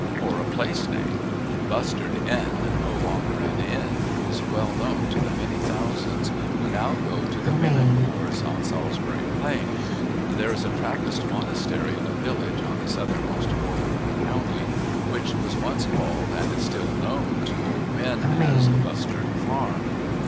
Or a place name: Bustard Inn, no longer an inn, is well known to the many thousands who now go to the mimic wars on Salisbury Plain; and there is a Trappist monastery in a village on the southernmost border of the county, which was once called, and is still known to old men as, "Bustard Farm."